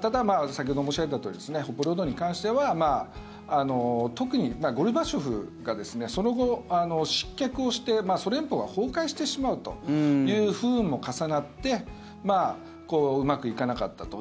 ただ、先ほど申し上げたとおり北方領土に関しては特にゴルバチョフがその後、失脚をしてソ連邦が崩壊してしまうという不運も重なってうまくいかなかったと。